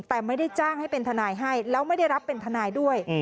แต่ไม่ได้จ้างให้เป็นทนายให้แล้วไม่ได้รับเป็นทนายด้วย